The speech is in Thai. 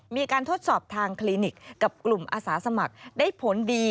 มีการทดสอบทางคลินิกกับกลุ่มอาสาสมัครได้ผลดี